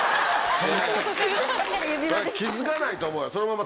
それ気付かないと思うよ。